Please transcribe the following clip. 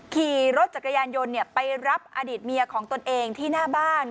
ขี่รถจักรยานยนต์ไปรับอดีตเมียของตนเองที่หน้าบ้าน